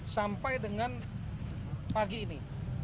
sampai dengan pagi ini